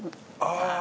ああ。